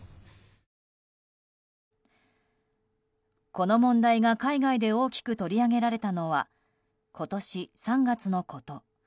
この問題が海外で大きく取り上げられたのは今年３月のこと。